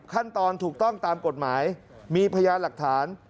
ขั้นตอนถูกต้องตามกฎหมายมีพยานหลักฐาน